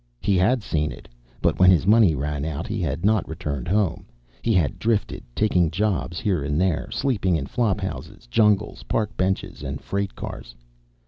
He had seen it, but when his money ran out he had not returned home. He had drifted, taking jobs here and there, sleeping in flop houses, jungles, park benches, and freight cars.